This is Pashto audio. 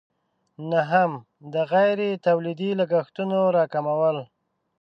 نهم: د غیر تولیدي لګښتونو راکمول.